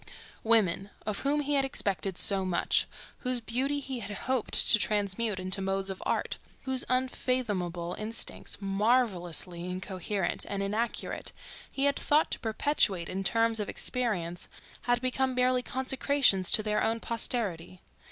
Women—of whom he had expected so much; whose beauty he had hoped to transmute into modes of art; whose unfathomable instincts, marvellously incoherent and inarticulate, he had thought to perpetuate in terms of experience—had become merely consecrations to their own posterity.